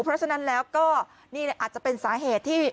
เพราะฉะนั้นแล้วก็นี่อาจจะเป็นสาเหตุที่